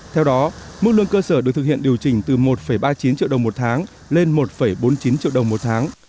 theo đó mức lương cơ sở được thực hiện điều chỉnh từ một ba mươi chín triệu đồng một tháng lên một bốn mươi chín triệu đồng một tháng